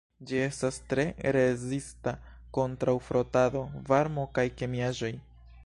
Ĝi estas tre rezista kontraŭ frotado, varmo kaj kemiaĵoj.